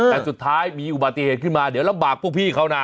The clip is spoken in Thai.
แต่สุดท้ายมีอุบัติเหตุขึ้นมาเดี๋ยวลำบากพวกพี่เขานะ